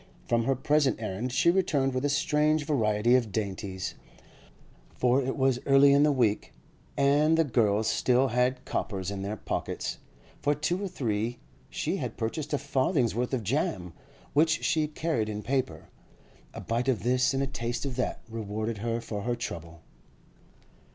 From her present errand she returned with a strange variety of dainties—for it was early in the week, and the girls still had coppers in their pockets; for two or three she had purchased a farthing's worth of jam, which she carried in paper. A bite of this and a taste of that rewarded her for her trouble.